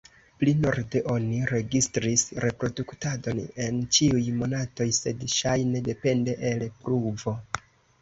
Pli norde oni registris reproduktadon en ĉiuj monatoj, sed ŝajne depende el pluvo.